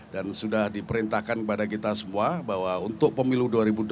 dan sudah diperintahkan kepada kita semua bahwa untuk pemilu dua ribu dua puluh empat